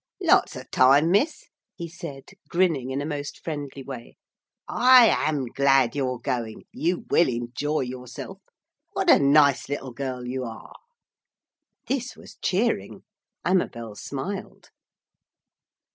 'Lots of time, Miss,' he said, grinning in a most friendly way, 'I am glad you're going. You will enjoy yourself! What a nice little girl you are!' This was cheering. Amabel smiled.